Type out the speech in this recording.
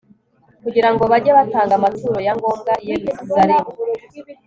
kugira ngo bajye batanga amaturo ya ngombwa i yeruzalemu